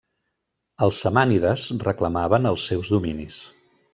Els samànides reclamaven els seus dominis.